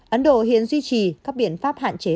ấn độ hiện duy trì các biện pháp hạn chế